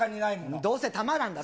どうせ玉なんだろ？